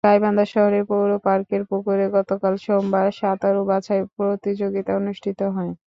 গাইবান্ধা শহরের পৌর পার্কের পুকুরে গতকাল সোমবার সাঁতারু বাছাই প্রতিযোগিতা অনুষ্ঠিত হয়।